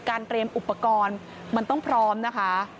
เตรียมอุปกรณ์มันต้องพร้อมนะคะ